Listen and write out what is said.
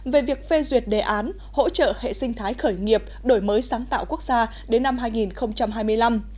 về việc phê duyệt đề án hỗ trợ hệ sinh thái khởi nghiệp đổi mới sáng tạo quốc gia đến năm hai nghìn hai mươi năm